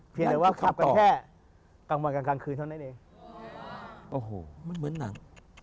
เพียงเหลือว่าขับไปแค่กลางวันกลางคืนเท่านั้นเอง